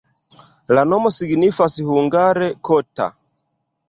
La nomo signifas hungare kota.